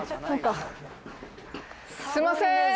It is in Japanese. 何かすいません！